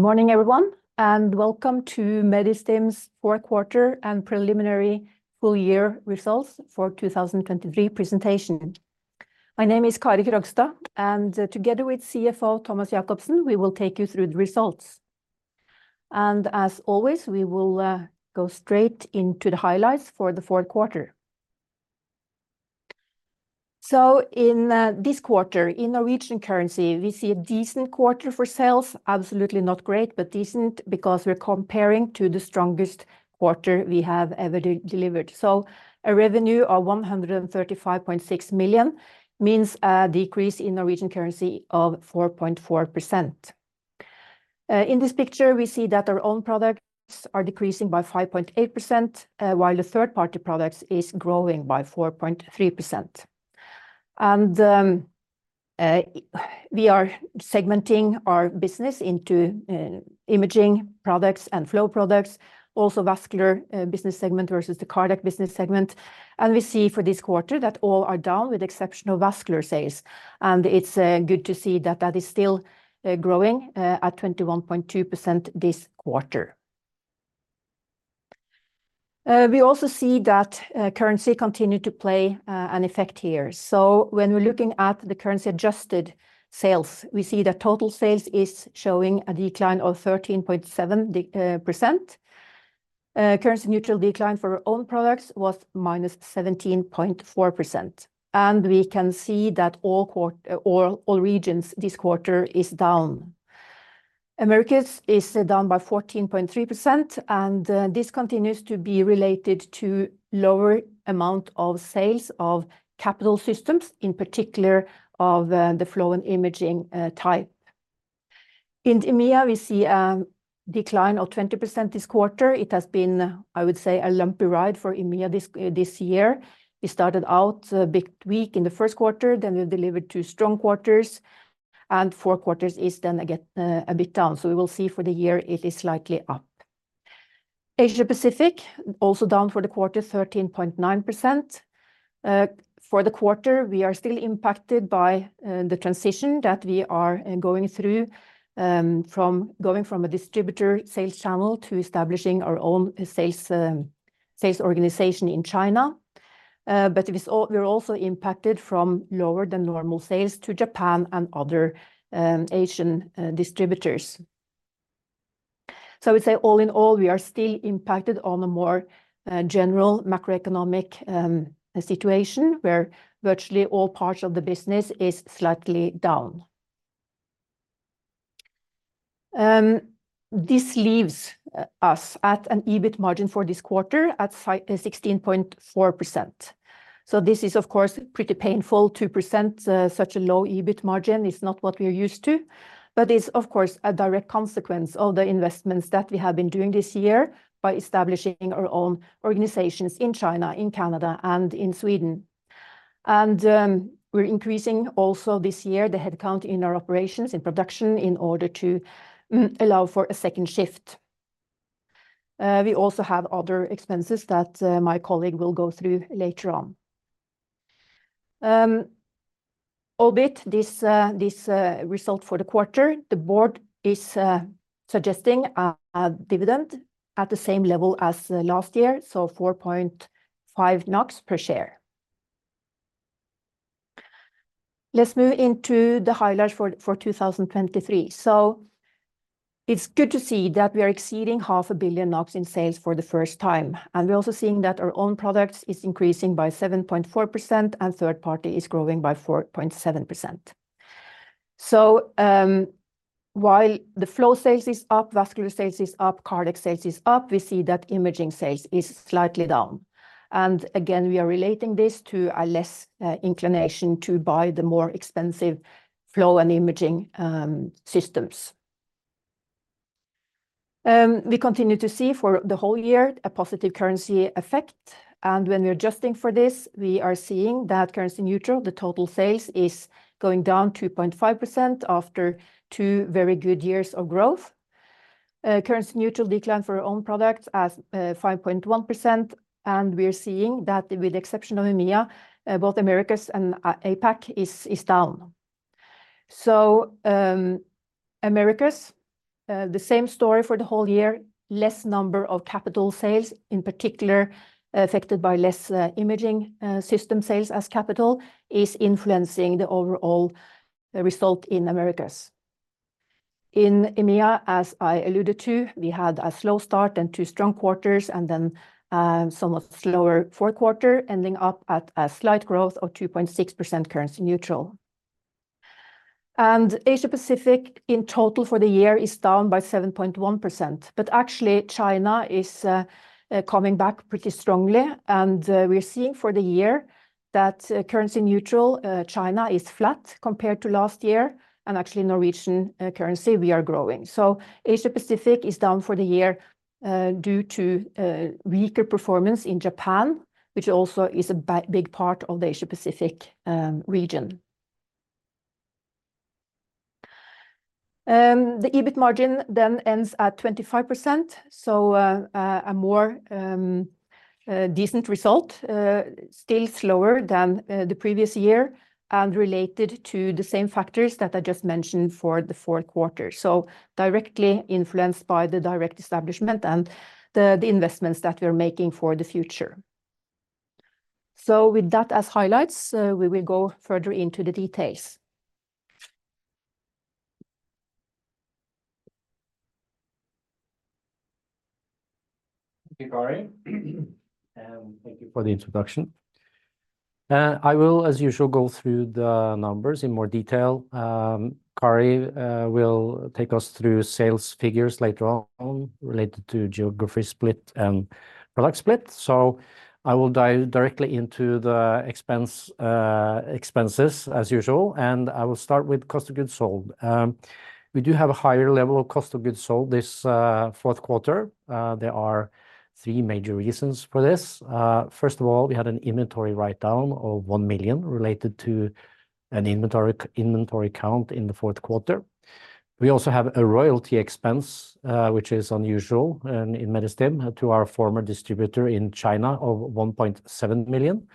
Good morning, everyone, and welcome to Medistim's fourth quarter and preliminary full year results for 2023 presentation. My name is Kari Krogstad, and together with CFO Thomas Jakobsen, we will take you through the results. And as always, we will go straight into the highlights for the fourth quarter. So in this quarter, in Norwegian currency, we see a decent quarter for sales. Absolutely not great, but decent, because we're comparing to the strongest quarter we have ever delivered. So a revenue of 135.6 million means a decrease in Norwegian currency of 4.4%. In this picture, we see that our own products are decreasing by 5.8%, while the third-party products is growing by 4.3%. We are segmenting our business into imaging products and flow products, also vascular business segment versus the cardiac business segment. We see for this quarter that all are down, with exception of vascular sales. It's good to see that that is still growing at 21.2% this quarter. We also see that currency continued to play an effect here. When we're looking at the currency-adjusted sales, we see that total sales is showing a decline of 13.7%. Currency neutral decline for our own products was -17.4%, and we can see that all regions this quarter is down. Americas is down by 14.3%, and this continues to be related to lower amount of sales of capital systems, in particular of the flow and imaging type. In EMEA, we see a decline of 20% this quarter. It has been, I would say, a lumpy ride for EMEA this year. It started out a bit weak in the first quarter, then we delivered two strong quarters, and the fourth quarter is then again a bit down. So we will see for the year it is slightly up. Asia Pacific, also down for the quarter, 13.9%. For the quarter, we are still impacted by the transition that we are going through, from going from a distributor sales channel to establishing our own sales organization in China. But we're also impacted from lower than normal sales to Japan and other Asian distributors. So I would say, all in all, we are still impacted on a more general macroeconomic situation, where virtually all parts of the business is slightly down. This leaves us at an EBIT margin for this quarter at 16.4%. So this is, of course, pretty painful to present such a low EBIT margin. It's not what we're used to, but it's, of course, a direct consequence of the investments that we have been doing this year by establishing our own organizations in China, in Canada and in Sweden. And we're increasing also this year the headcount in our operations, in production, in order to allow for a second shift. We also have other expenses that my colleague will go through later on. Albeit this result for the quarter, the board is suggesting a dividend at the same level as last year, so 4.5 NOK per share. Let's move into the highlights for 2023. So it's good to see that we are exceeding 500 million NOK in sales for the first time, and we're also seeing that our own products is increasing by 7.4%, and third party is growing by 4.7%. So, while the flow sales is up, vascular sales is up, cardiac sales is up, we see that imaging sales is slightly down. And again, we are relating this to a less inclination to buy the more expensive flow and imaging systems. We continue to see for the whole year a positive currency effect, and when we're adjusting for this, we are seeing that currency neutral, the total sales is going down 2.5% after two very good years of growth. Currency neutral decline for our own products as 5.1%, and we are seeing that with the exception of EMEA, both Americas and APAC is down. Americas, the same story for the whole year, less number of capital sales, in particular, affected by less imaging system sales as capital is influencing the overall result in Americas. In EMEA, as I alluded to, we had a slow start and two strong quarters and then somewhat slower fourth quarter, ending up at a slight growth of 2.6% currency neutral. Asia Pacific in total for the year is down by 7.1%. But actually, China is coming back pretty strongly, and we're seeing for the year that currency neutral, China is flat compared to last year, and actually Norwegian currency, we are growing. So Asia Pacific is down for the year due to weaker performance in Japan, which also is a big part of the Asia Pacific region. The EBIT margin then ends at 25%, a more decent result, still slower than the previous year and related to the same factors that I just mentioned for the fourth quarter. So directly influenced by the direct establishment and the investments that we are making for the future. With that as highlights, we will go further into the details. Thank you, Kari, and thank you for the introduction. I will, as usual, go through the numbers in more detail. Kari will take us through sales figures later on related to geography split and product split. So I will dive directly into the expenses, as usual, and I will start with cost of goods sold. We do have a higher level of cost of goods sold this fourth quarter. There are three major reasons for this. First of all, we had an inventory write-down of 1 million related to an inventory count in the fourth quarter. We also have a royalty expense, which is unusual, in Medistim, to our former distributor in China of 1.7 million.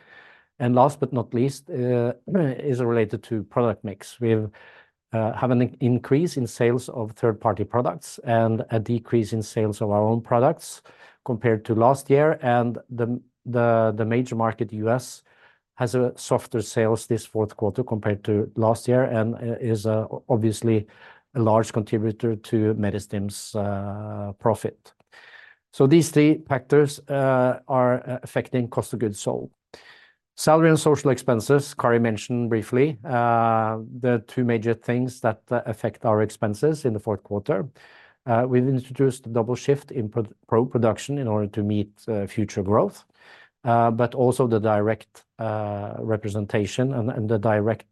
And last but not least, is related to product mix. We have an increase in sales of third-party products and a decrease in sales of our own products compared to last year, and the major market, US, has softer sales this fourth quarter compared to last year and is obviously a large contributor to Medistim's profit. So these three factors are affecting cost of goods sold. Salary and social expenses, Kari mentioned briefly. The two major things that affect our expenses in the fourth quarter. We've introduced double shift in production in order to meet future growth, but also the direct representation and the direct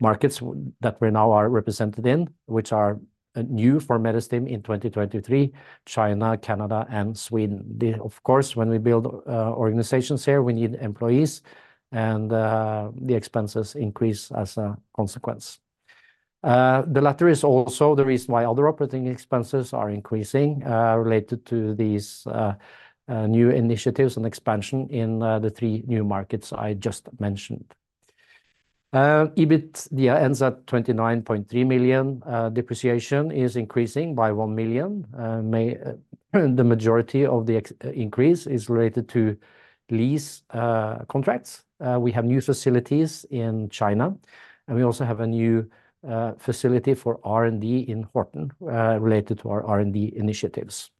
markets that we now are represented in, which are new for Medistim in 2023: China, Canada, and Sweden. The... Of course, when we build organizations here, we need employees, and the expenses increase as a consequence. The latter is also the reason why other operating expenses are increasing, related to these new initiatives and expansion in the three new markets I just mentioned. EBIT ends at 29.3 million. Depreciation is increasing by 1 million. The majority of the increase is related to lease contracts. We have new facilities in China, and we also have a new facility for R&D in Horten, related to our R&D initiatives.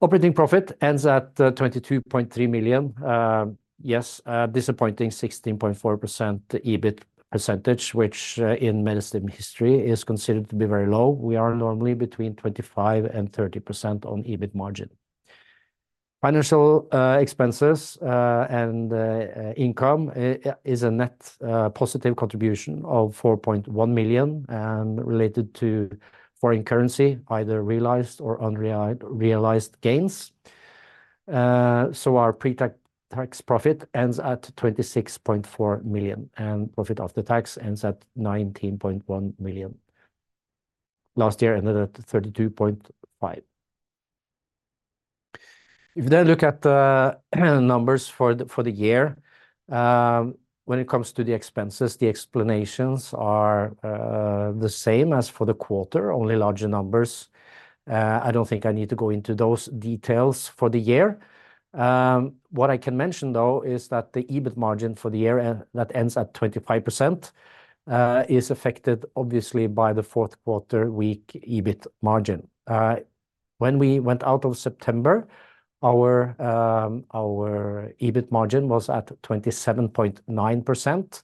Operating profit ends at 22.3 million. Yes, a disappointing 16.4% EBIT percentage, which in Medistim history is considered to be very low. We are normally between 25% and 30% on EBIT margin. Financial expenses and income is a net positive contribution of 4.1 million and related to foreign currency, either realized or unrealized gains. So our pre-tax profit ends at 26.4 million, and profit after tax ends at 19.1 million. Last year ended at 32.5 million. If you then look at the numbers for the year, when it comes to the expenses, the explanations are the same as for the quarter, only larger numbers. I don't think I need to go into those details for the year. What I can mention, though, is that the EBIT margin for the year, that ends at 25%, is affected, obviously, by the fourth quarter weak EBIT margin. When we went out of September, our EBIT margin was at 27.9%.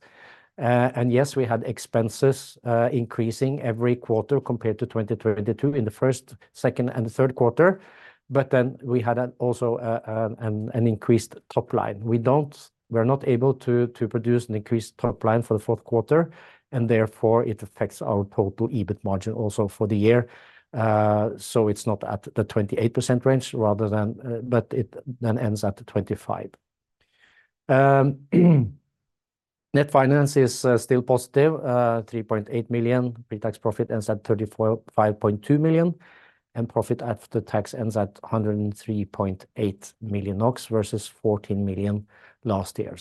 And yes, we had expenses increasing every quarter compared to 2022 in the first, second, and third quarter, but then we also had an increased top line. We're not able to produce an increased top line for the fourth quarter, and therefore, it affects our total EBIT margin also for the year. So it's not at the 28% range rather than, but it then ends at the 25. Net finance is still positive 3.8 million. Pre-tax profit ends at 34.52 million, and profit after tax ends at 103.8 million NOK versus 14 million last year.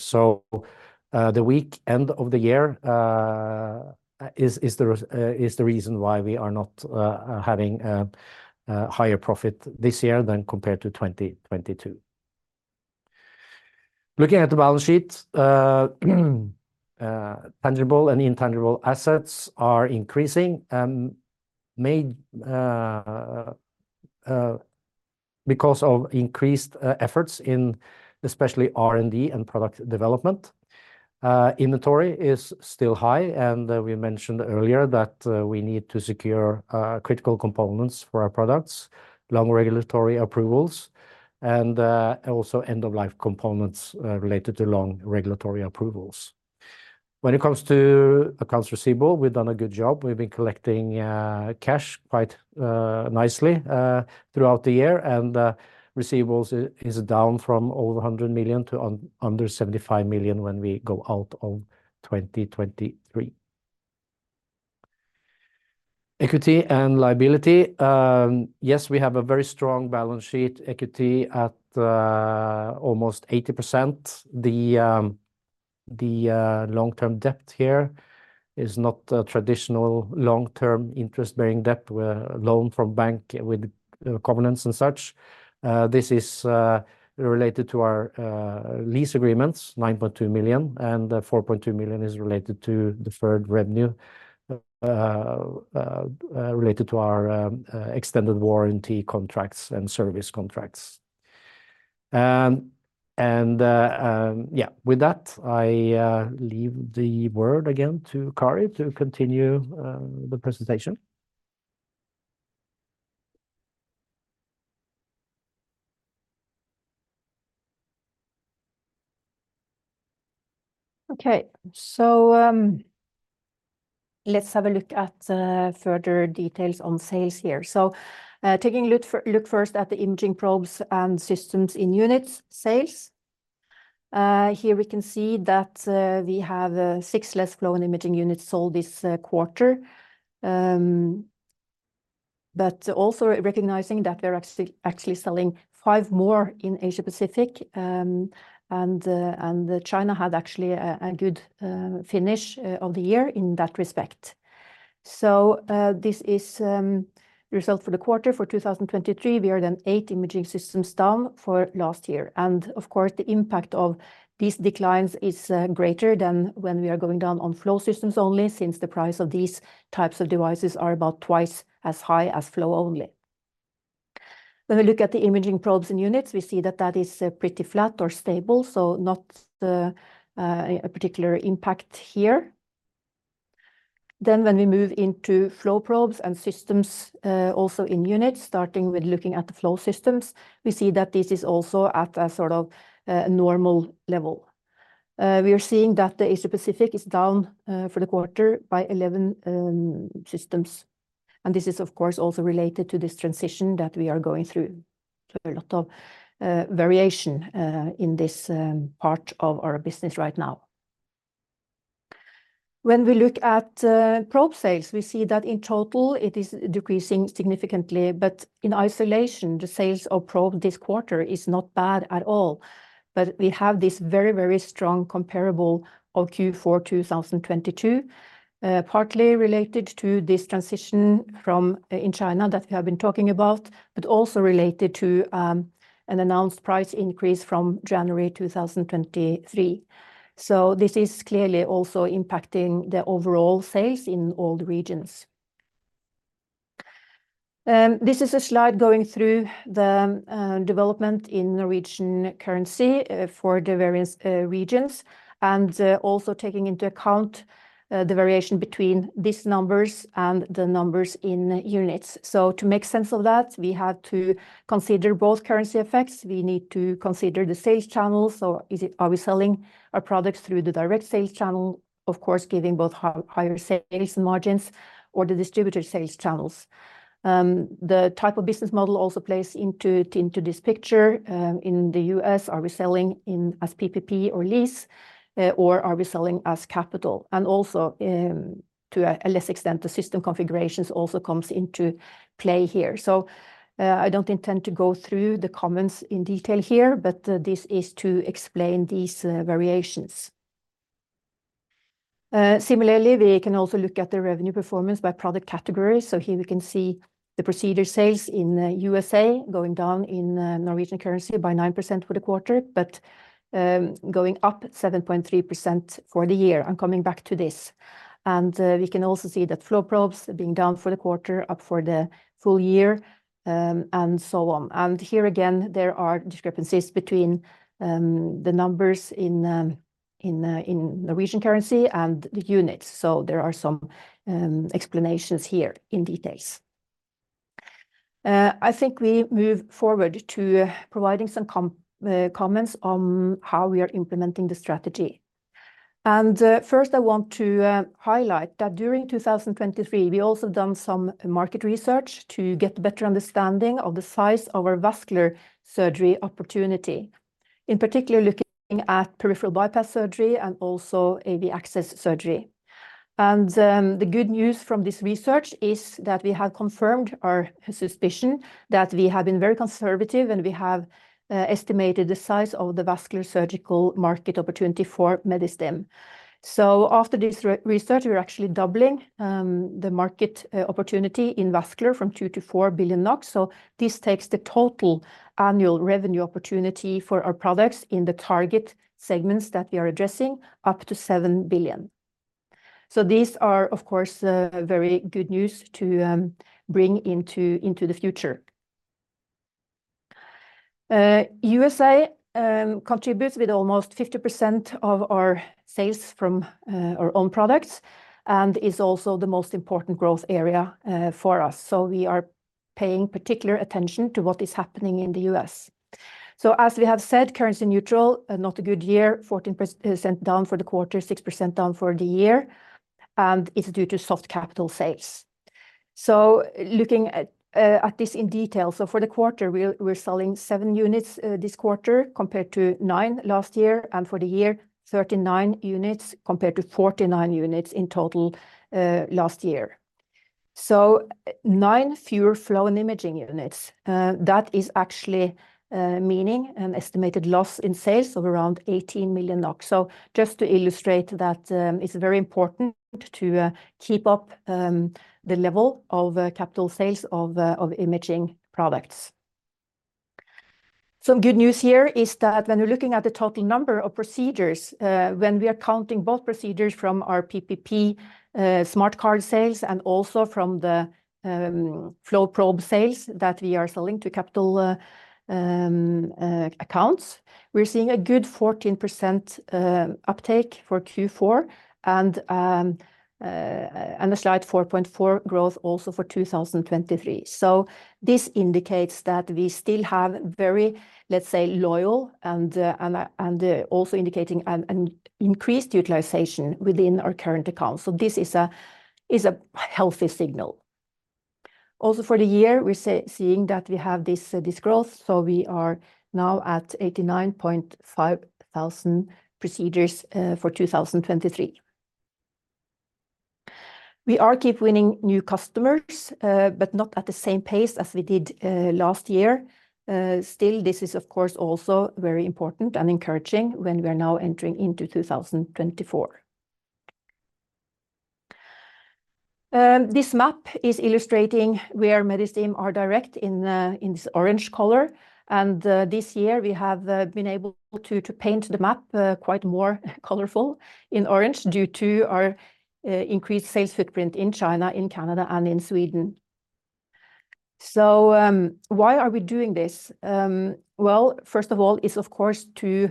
The weak end of the year is the reason why we are not having a higher profit this year than compared to 2022. Looking at the balance sheet, tangible and intangible assets are increasing, mainly because of increased efforts in especially R&D and product development. Inventory is still high, and we mentioned earlier that we need to secure critical components for our products, long regulatory approvals, and also end-of-life components related to long regulatory approvals. When it comes to accounts receivable, we've done a good job. We've been collecting cash quite nicely throughout the year, and receivables is down from over 100 million to under 75 million when we go out of 2023. Equity and liability. Yes, we have a very strong balance sheet, equity at almost 80%. The long-term debt here is not a traditional long-term interest-bearing debt, where loan from bank with covenants and such. This is related to our lease agreements, 9.2 million, and 4.2 million is related to deferred revenue related to our extended warranty contracts and service contracts. Yeah, with that, I leave the word again to Kari to continue the presentation. Okay. So, let's have a look at further details on sales here. So, taking a look first at the imaging probes and systems in units sales. Here we can see that we have six less flow and imaging units sold this quarter. But also recognizing that we are actually, actually selling five more in Asia Pacific, and China had actually a good finish of the year in that respect. So, this is result for the quarter for 2023. We are then eight imaging systems down for last year. And of course, the impact of these declines is greater than when we are going down on flow systems only, since the price of these types of devices are about twice as high as flow only. When we look at the imaging probes and units, we see that that is pretty flat or stable, so not a particular impact here. Then when we move into flow probes and systems, also in units, starting with looking at the flow systems, we see that this is also at a sort of normal level. We are seeing that the Asia Pacific is down for the quarter by 11 systems. And this is, of course, also related to this transition that we are going through. So a lot of variation in this part of our business right now. When we look at probe sales, we see that in total it is decreasing significantly, but in isolation, the sales of probe this quarter is not bad at all. But we have this very, very strong comparable of Q4 2022, partly related to this transition from in China that we have been talking about, but also related to an announced price increase from January 2023. So this is clearly also impacting the overall sales in all the regions. This is a slide going through the development in Norwegian currency for the various regions, and also taking into account the variation between these numbers and the numbers in units. So to make sense of that, we have to consider both currency effects. We need to consider the sales channels. So are we selling our products through the direct sales channel? Of course, giving both higher sales margins or the distributor sales channels. The type of business model also plays into, into this picture. In the U.S., are we selling in as PPP or lease, or are we selling as capital? And also, to a less extent, the system configurations also comes into play here. So, I don't intend to go through the comments in detail here, but, this is to explain these, variations. Similarly, we can also look at the revenue performance by product category. So here we can see the procedure sales in U.S.A. going down in, Norwegian currency by 9% for the quarter, but, going up 7.3% for the year. I'm coming back to this. And, we can also see that flow probes being down for the quarter, up for the full year, and so on. Here again, there are discrepancies between the numbers in Norwegian currency and the units. There are some explanations here in details. I think we move forward to providing some comments on how we are implementing the strategy. First, I want to highlight that during 2023, we also done some market research to get a better understanding of the size of our vascular surgery opportunity. In particular, looking at peripheral bypass surgery and also AV access surgery. The good news from this research is that we have confirmed our suspicion that we have been very conservative, and we have estimated the size of the vascular surgical market opportunity for Medistim. After this research, we're actually doubling the market opportunity in vascular from 2 billion-4 billion NOK. So this takes the total annual revenue opportunity for our products in the target segments that we are addressing up to 7 billion. So these are of course very good news to bring into the future. USA contributes with almost 50% of our sales from our own products and is also the most important growth area for us. So we are paying particular attention to what is happening in the U.S. So as we have said, currency neutral, not a good year, 14% down for the quarter, 6% down for the year, and it's due to soft capital sales. So looking at this in detail. So for the quarter, we're selling 7 units this quarter, compared to 9 last year, and for the year, 39 units, compared to 49 units in total last year. So, 9 fewer flow and imaging units, that is actually meaning an estimated loss in sales of around 18 million NOK. So just to illustrate that, it's very important to keep up the level of capital sales of imaging products. Some good news here is that when we're looking at the total number of procedures, when we are counting both procedures from our PPP SmartCard sales, and also from the flow probe sales that we are selling to capital accounts, we're seeing a good 14% uptake for Q4, and a slight 4.4% growth also for 2023. So this indicates that we still have very, let's say, loyal and also indicating an increased utilization within our current accounts. So this is a healthy signal. Also, for the year, we're seeing that we have this, this growth, so we are now at 89.5 thousand procedures for 2023. We are keep winning new customers, but not at the same pace as we did, last year. Still, this is of course, also very important and encouraging when we are now entering into 2024. This map is illustrating where Medistim are direct in, in this orange color, and, this year we have, been able to, to paint the map, quite more colorful in orange due to our, increased sales footprint in China, in Canada, and in Sweden. So, why are we doing this? Well, first of all, it's of course, to,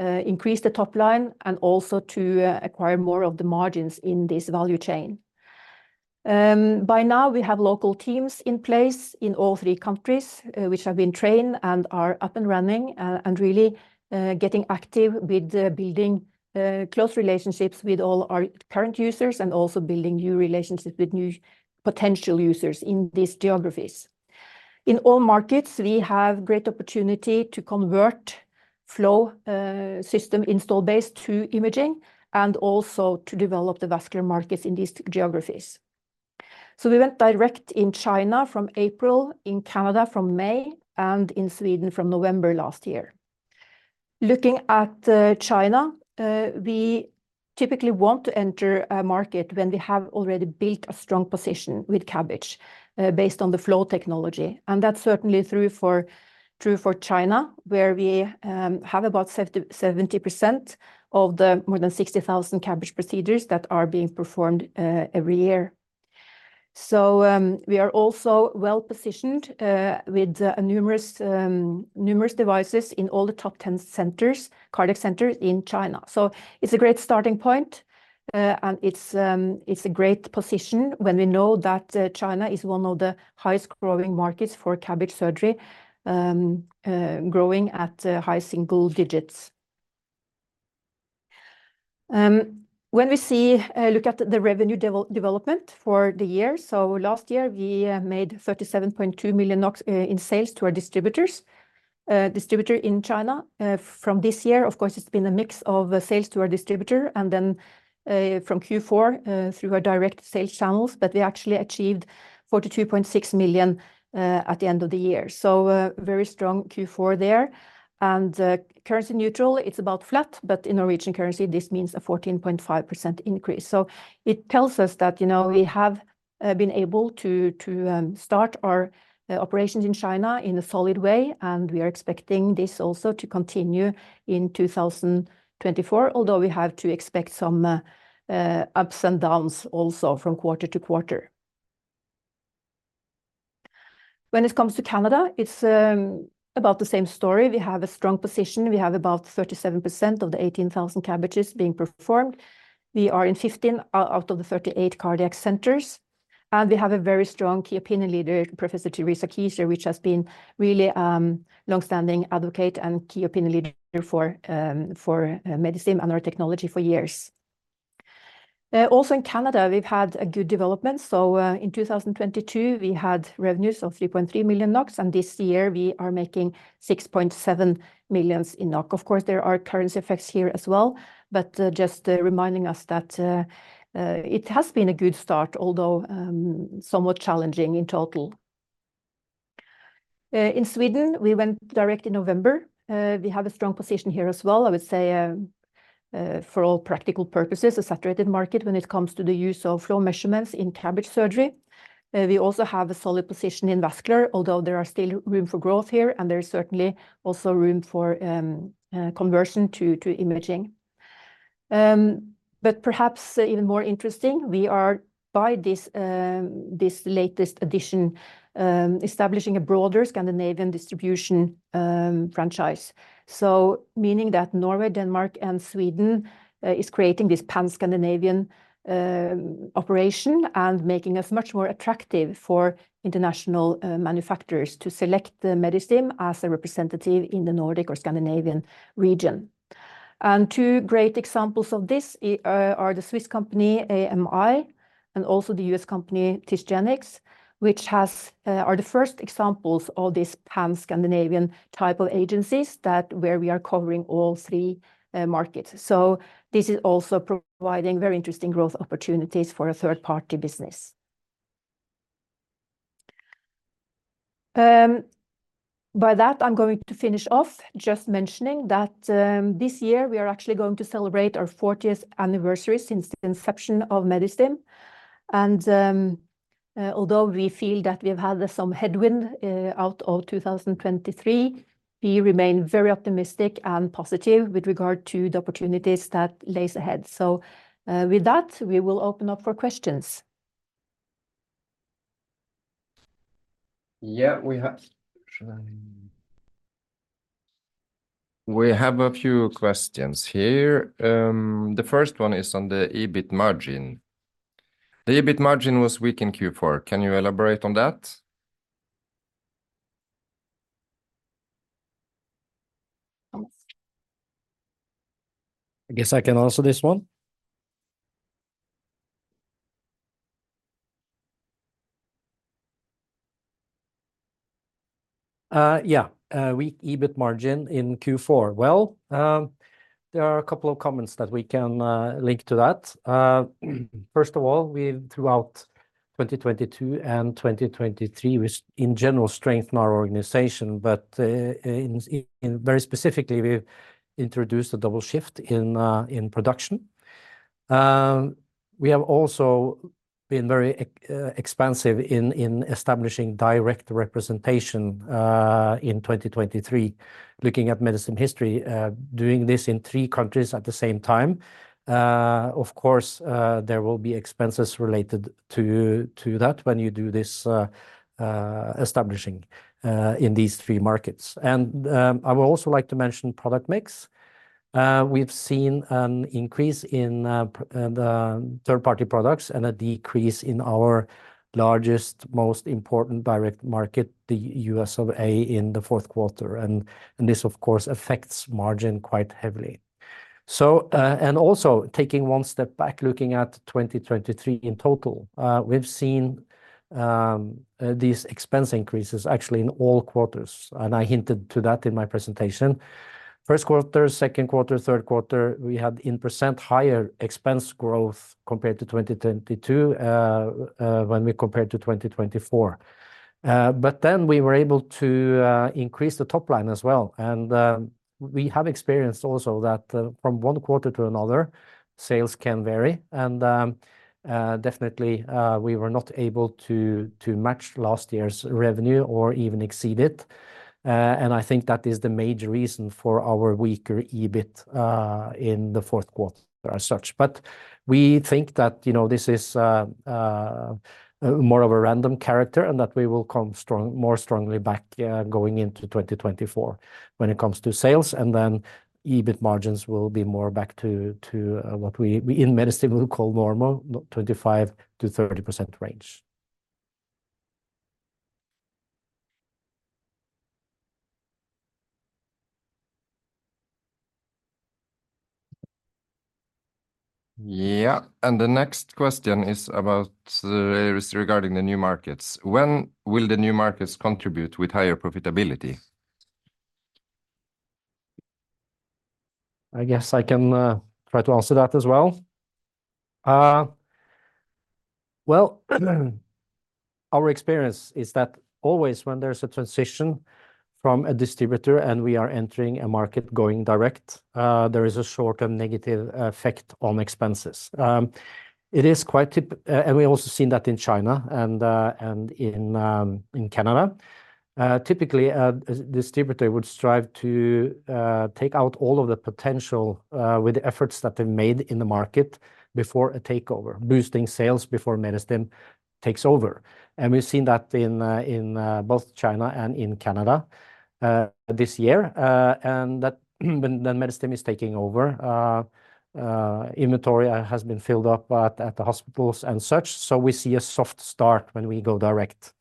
increase the top line and also to acquire more of the margins in this value chain. By now, we have local teams in place in all three countries, which have been trained and are up and running, and really, getting active with building, close relationships with all our current users, and also building new relationships with new potential users in these geographies. In all markets, we have great opportunity to convert flow, system install base to imaging, and also to develop the vascular markets in these geographies. So we went direct in China from April, in Canada from May, and in Sweden from November last year. Looking at China, we typically want to enter a market when we have already built a strong position with CABG, based on the flow technology, and that's certainly true for China, where we have about 70% of the more than 60,000 CABG procedures that are being performed every year. So we are also well-positioned with numerous devices in all the top 10 cardiac centers in China. So it's a great starting point, and it's a great position when we know that China is one of the highest growing markets for CABG surgery, growing at high single digits. When we see, look at the revenue development for the year, so last year, we made 37.2 million in sales to our distributor in China. From this year, of course, it's been a mix of sales to our distributor and then, from Q4, through our direct sales channels, but we actually achieved 42.6 million at the end of the year. So a very strong Q4 there. And, currency neutral, it's about flat, but in Norwegian currency, this means a 14.5% increase. So it tells us that, you know, we have been able to start our operations in China in a solid way, and we are expecting this also to continue in 2024, although we have to expect some ups and downs also from quarter to quarter. When it comes to Canada, it's about the same story. We have a strong position. We have about 37% of the 18,000 CABGs being performed. We are in 15 out of the 38 cardiac centers, and we have a very strong key opinion leader, Professor Teresa M. Kieser, which has been really long-standing advocate and key opinion leader for Medistim and our technology for years. Also in Canada, we've had a good development. So, in 2022, we had revenues of 3.3 million NOK, and this year, we are making 6.7 million. Of course, there are currency effects here as well, but just reminding us that it has been a good start, although somewhat challenging in total. In Sweden, we went direct in November. We have a strong position here as well, I would say, for all practical purposes, a saturated market when it comes to the use of flow measurements in CABG surgery. We also have a solid position in vascular, although there are still room for growth here, and there is certainly also room for conversion to imaging. But perhaps even more interesting, we are by this, this latest addition, establishing a broader Scandinavian distribution franchise. So meaning that Norway, Denmark, and Sweden is creating this Pan-Scandinavian operation, and making us much more attractive for international manufacturers to select the Medistim as a representative in the Nordic or Scandinavian region. And two great examples of this are the Swiss company, AMI, and also the US company, Tisgenx... which has are the first examples of this pan-Scandinavian type of agencies, that where we are covering all three markets. So this is also providing very interesting growth opportunities for a third-party business. By that, I'm going to finish off just mentioning that this year, we are actually going to celebrate our fortieth anniversary since the inception of Medistim. And although we feel that we've had some headwind out of 2023, we remain very optimistic and positive with regard to the opportunities that lays ahead. So with that, we will open up for questions. Yeah, we have... We have a few questions here. The first one is on the EBIT margin. The EBIT margin was weak in Q4. Can you elaborate on that? I guess I can answer this one. Yeah, weak EBIT margin in Q4. Well, there are a couple of comments that we can link to that. First of all, we, throughout 2022 and 2023, we've in general strengthened our organization, but, in very specifically, we've introduced a double shift in production. We have also been very expansive in establishing direct representation in 2023. Looking at Medistim history, doing this in three countries at the same time, of course, there will be expenses related to that when you do this, establishing in these three markets. And I would also like to mention product mix. We've seen an increase in the third-party products and a decrease in our largest, most important direct market, the U.S. of A., in the fourth quarter, and this, of course, affects margin quite heavily. So, and also taking one step back, looking at 2023 in total, we've seen these expense increases actually in all quarters, and I hinted to that in my presentation. First quarter, second quarter, third quarter, we had in percent higher expense growth compared to 2022, when we compared to 2024. But then we were able to increase the top line as well, and we have experienced also that from one quarter to another, sales can vary, and definitely we were not able to match last year's revenue or even exceed it. And I think that is the major reason for our weaker EBIT in the fourth quarter as such. But we think that, you know, this is more of a random character and that we will come strong- more strongly back going into 2024 when it comes to sales, and then EBIT margins will be more back to what we in Medistim would call normal, 25%-30% range. Yeah, and the next question is regarding the new markets. When will the new markets contribute with higher profitability? I guess I can try to answer that as well. Well, our experience is that always when there's a transition from a distributor and we are entering a market going direct, there is a short-term negative effect on expenses. It is quite typical, and we also seen that in China and in Canada. Typically, a distributor would strive to take out all of the potential with the efforts that they made in the market before a takeover, boosting sales before Medistim takes over. And we've seen that in both China and in Canada this year, and that when the Medistim is taking over, inventory has been filled up at the hospitals and such, so we see a soft start when we go direct.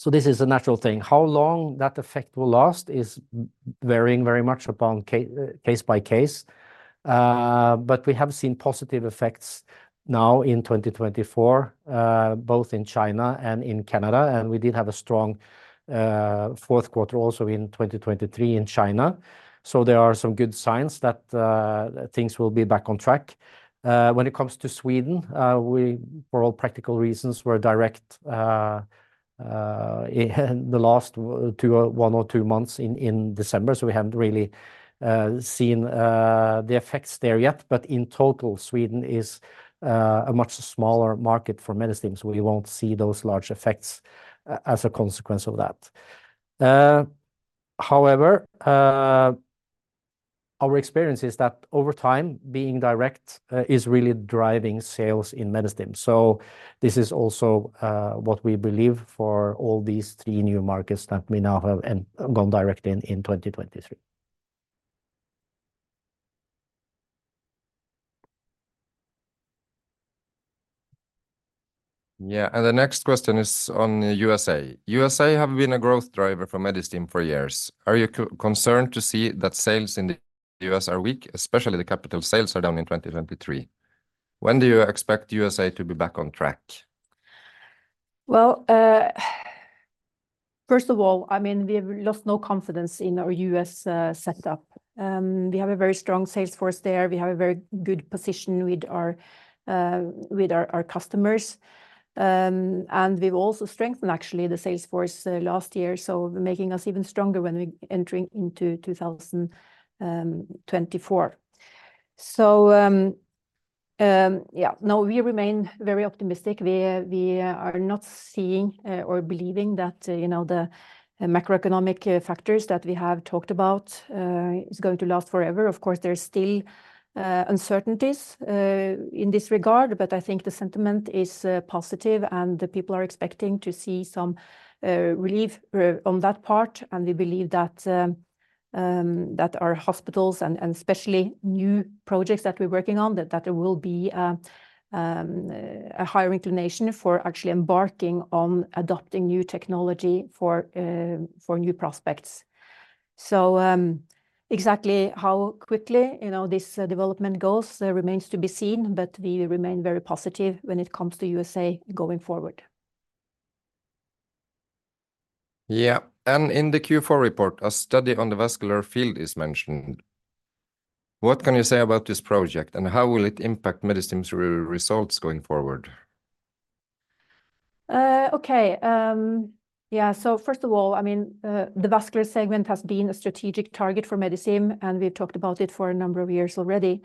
So this is a natural thing. How long that effect will last is varying very much upon case by case. But we have seen positive effects now in 2024, both in China and in Canada, and we did have a strong fourth quarter also in 2023 in China. So there are some good signs that things will be back on track. When it comes to Sweden, we, for all practical reasons, were direct in the last two or one or two months in December, so we haven't really seen the effects there yet. But in total, Sweden is a much smaller market for Medistim, so we won't see those large effects as a consequence of that. However, our experience is that over time, being direct is really driving sales in Medistim. So this is also what we believe for all these three new markets that we now have and gone direct in, in 2023. Yeah, and the next question is on the USA. USA have been a growth driver for Medistim for years. Are you concerned to see that sales in the U.S. are weak, especially the capital sales are down in 2023. When do you expect USA to be back on track? Well, first of all, I mean, we've lost no confidence in our U.S. setup. We have a very strong sales force there. We have a very good position with our customers. And we've also strengthened, actually, the sales force last year, so making us even stronger when we entering into 2024. So, yeah, no, we remain very optimistic. We are not seeing or believing that, you know, the macroeconomic factors that we have talked about is going to last forever. Of course, there are still uncertainties in this regard, but I think the sentiment is positive, and the people are expecting to see some relief on that part. And we believe that our hospitals and especially new projects that we're working on, that there will be a higher inclination for actually embarking on adopting new technology for new prospects. So, exactly how quickly, you know, this development goes remains to be seen, but we remain very positive when it comes to USA going forward. Yeah, and in the Q4 report, a study on the vascular field is mentioned. What can you say about this project, and how will it impact Medistim's results going forward? Okay. Yeah, so first of all, I mean, the vascular segment has been a strategic target for Medistim, and we've talked about it for a number of years already.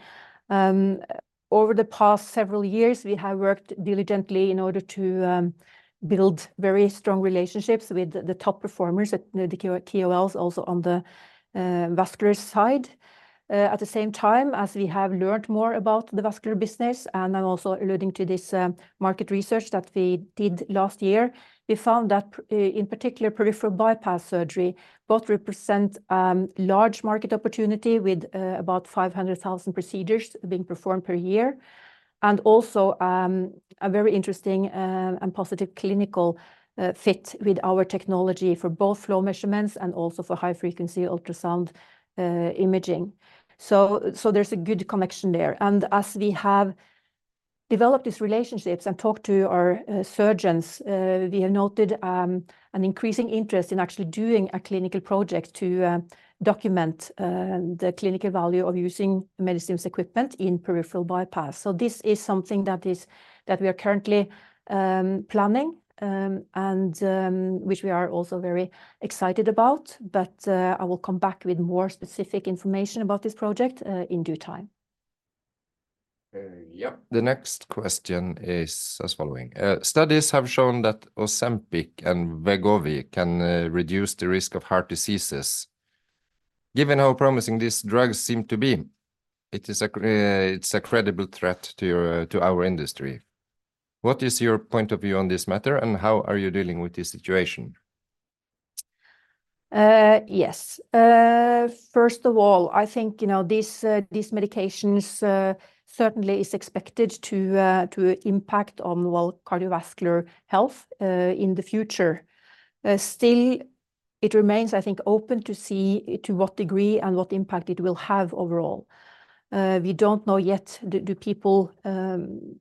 Over the past several years, we have worked diligently in order to build very strong relationships with the top performers at the KOLs, also on the vascular side. At the same time, as we have learned more about the vascular business, and I'm also alluding to this market research that we did last year, we found that in particular, peripheral bypass surgery both represent large market opportunity with about 500,000 procedures being performed per year. And also, a very interesting and positive clinical fit with our technology for both flow measurements and also for high-frequency ultrasound imaging. So, there's a good connection there. And as we have developed these relationships and talked to our surgeons, we have noted an increasing interest in actually doing a clinical project to document the clinical value of using Medistim's equipment in peripheral bypass. So this is something that we are currently planning, and which we are also very excited about. But I will come back with more specific information about this project in due time. Yeah. The next question is as following. Studies have shown that Ozempic and Wegovy can reduce the risk of heart diseases. Given how promising these drugs seem to be, it is a credible threat to our industry. What is your point of view on this matter, and how are you dealing with this situation? Yes. First of all, I think, you know, these, these medications certainly is expected to to impact on, well, cardiovascular health, in the future. Still, it remains, I think, open to see to what degree and what impact it will have overall. We don't know yet, do, do people,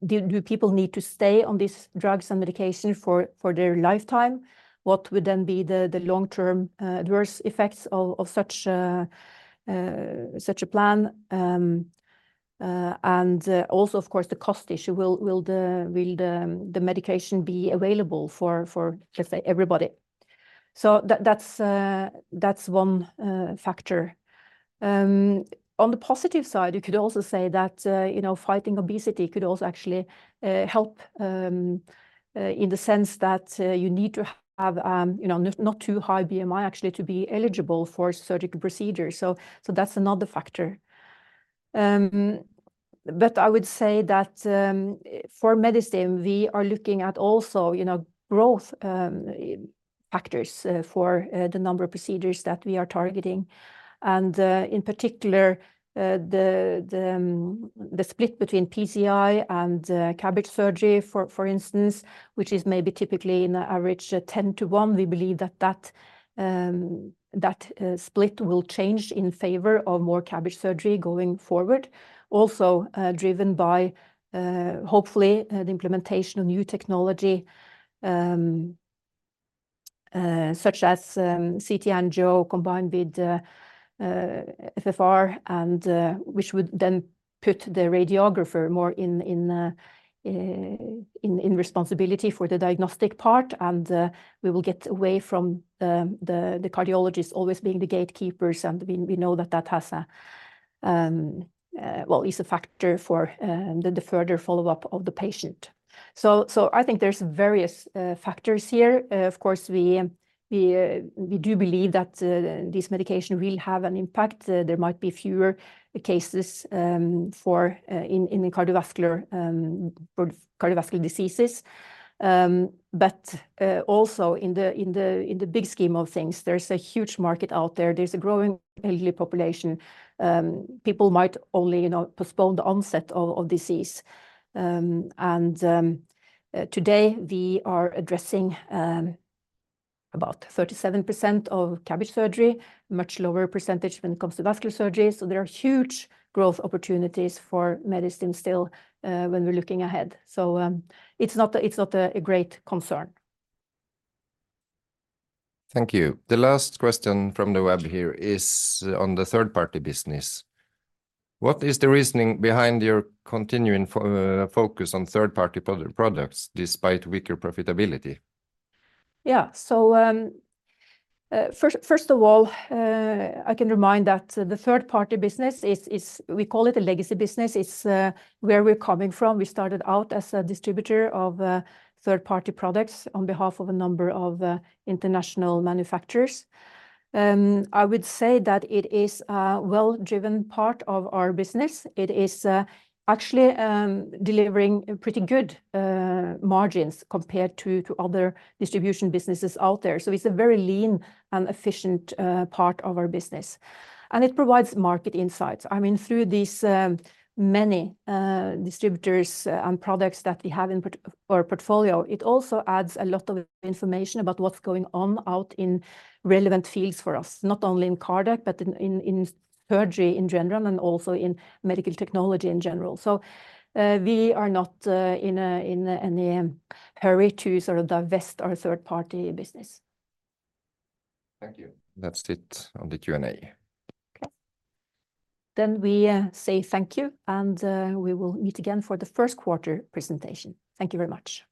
do, do people need to stay on these drugs and medication for, for their lifetime? What would then be the, the long-term, adverse effects of, of such a, such a plan? And, also, of course, the cost issue. Will, will the, will the, the medication be available for, for, let's say, everybody? So that's, that's one factor. On the positive side, you could also say that, you know, fighting obesity could also actually help, in the sense that, you need to have, you know, not too high BMI, actually, to be eligible for surgical procedures. So that's another factor. But I would say that, for Medistim, we are looking at also, you know, growth, factors, for, the number of procedures that we are targeting. And, in particular, the split between PCI and CABG surgery, for instance, which is maybe typically in the average 10-to-1, we believe that that split will change in favor of more CABG surgery going forward. Also, driven by, hopefully, the implementation of new technology, such as CT Angio, combined with FFR, and which would then put the radiographer more in responsibility for the diagnostic part, and we will get away from the cardiologists always being the gatekeepers, and we know that that has a... Well, is a factor for the further follow-up of the patient. So, I think there's various factors here. Of course, we do believe that this medication will have an impact. There might be fewer cases for in cardiovascular cardiovascular diseases. But also in the big scheme of things, there's a huge market out there. There's a growing elderly population. People might only, you know, postpone the onset of disease. Today, we are addressing about 37% of CABG surgery, much lower percentage when it comes to vascular surgery. So there are huge growth opportunities for Medistim still, when we're looking ahead. So, it's not a great concern. Thank you. The last question from the web here is on the third-party business. What is the reasoning behind your continuing focus on third-party products, despite weaker profitability? Yeah. So, first of all, I can remind that the third-party business is... We call it a legacy business. It's where we're coming from. We started out as a distributor of third-party products on behalf of a number of international manufacturers. I would say that it is a well-driven part of our business. It is actually delivering pretty good margins compared to other distribution businesses out there. So it's a very lean and efficient part of our business, and it provides market insights. I mean, through these many distributors and products that we have in our portfolio, it also adds a lot of information about what's going on out in relevant fields for us, not only in cardiac, but in surgery in general, and also in medical technology in general. We are not in any hurry to sort of divest our third-party business. Thank you. That's it on the Q&A. Okay. Then we say thank you, and we will meet again for the first quarter presentation. Thank you very much.